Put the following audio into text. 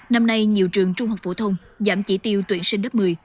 năm nay nhiều trường trung học phổ thông giảm chỉ tiêu tuyển sinh lớp một mươi